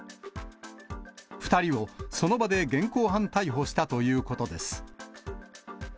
２人をその場で現行犯逮捕したということです。